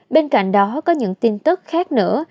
bên cạnh đó có những tin tức khác nữa